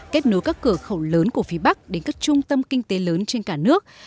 kết nối các cửa khẩu lớn của phía bắc đến các trung tâm kinh tế lớn trên cả nước